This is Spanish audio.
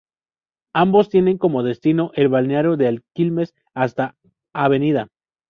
Ambos tienen como destino el Balneario de Quilmes, hasta Av.